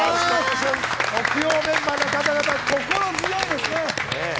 木曜メンバーの方々、心強いですね。